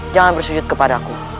jangan bersujud kepadaku